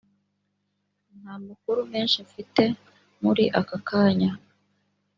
nta makuru menshi mfite muri aka kanya